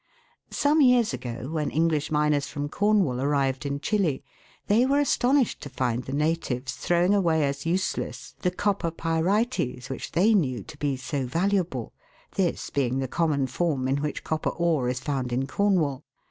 Some years ago, when English miners from Cornwall arrived in Chile, they were astonished to find the natives throwing away as useless the copper pyrites which they knew to be so valuable ; this being the common form in which copper ore is found in Cornwall.